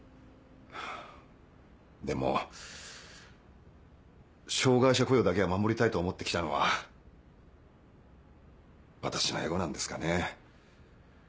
でも障がい者雇用だけは守りたいと思ってきたのは私のエゴなんですかね。